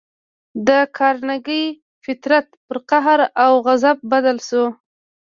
د کارنګي فطرت پر قهر او غضب بدل شو